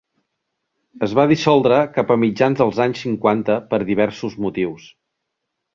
Es va dissoldre cap a mitjans dels anys cinquanta per diversos motius.